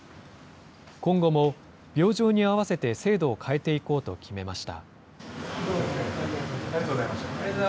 今後も病状に合わせて制度を変えていこうと決めました。